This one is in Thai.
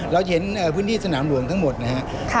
เราเห็นพื้นที่สนามหลวงทั้งหมดนะครับ